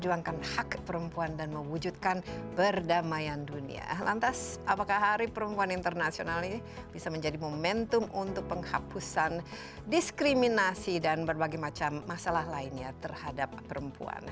langka lantas apakah hari perempuan internasional ini bisa menjadi momentum untuk penghapusan diskriminasi dan berbagai macam masalah lainnya terhadap perempuan